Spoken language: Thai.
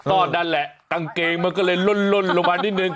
ก็นั่นแหละกางเกงมันก็เลยล่นลงมานิดนึง